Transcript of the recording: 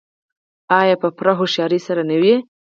آیا په پوره هوښیارۍ سره نه وي؟